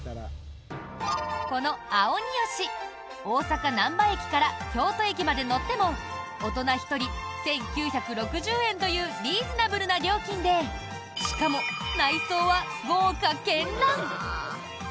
この、あをによし大阪難波駅から京都駅まで乗っても大人１人１９６０円というリーズナブルな料金でしかも、内装は豪華絢爛！